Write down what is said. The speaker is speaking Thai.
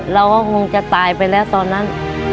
เราก็คงจะตายไปแล้วตอนนั้น